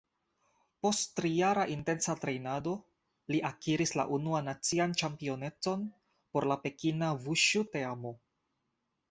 Post trijara intensa trejnado, Li akiris la unuan nacian ĉampionecon por la Pekina vuŝu-teamo.